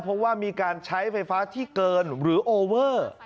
เพราะว่ามีการใช้ไฟฟ้าที่เกินหรือโอเวอร์